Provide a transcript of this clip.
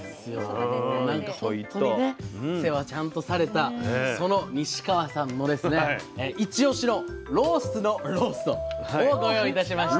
なんかほんとにね世話ちゃんとされたその西川さんのですね一押しのロースのローストをご用意いたしました。